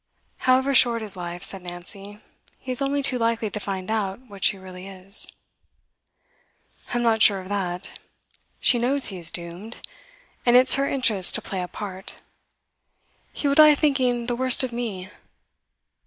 'However short his life,' said Nancy, 'he is only too likely to find out what she really is.' 'I am not sure of that. She knows he is doomed, and it's her interest to play a part. He will die thinking the worst of me.